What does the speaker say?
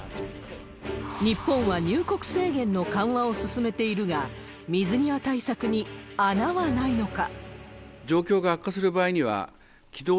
日本は入国制限の緩和を進めているが、水際対策に穴はないのか。